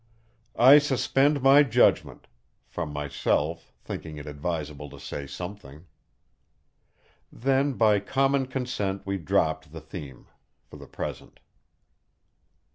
"I suspend my judgment!" from myself, thinking it advisable to say something. Then by common consent we dropped the theme—for the present.